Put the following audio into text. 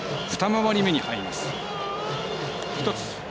２回り目に入ります。